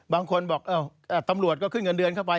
บางคนบอกตำรวจก็ขึ้นเงินเดือนเข้าไป